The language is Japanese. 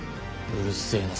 うるせえな。